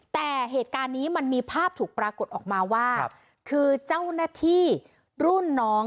แต่เหตุการณ์นี้มันมีภาพถูกปรากฏออกมาว่าคือเจ้าหน้าที่รุ่นน้อง